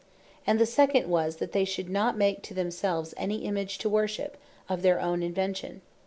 And the second was, that "they should not make to themselves any Image to Worship, of their own Invention."